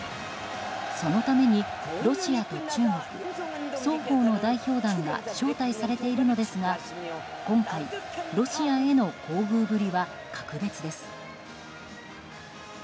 そのために、ロシアと中国双方の代表団が招待されているのですが今回、ロシアへの厚遇ぶりは格別です。